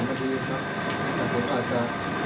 แต่ผมอาจจะ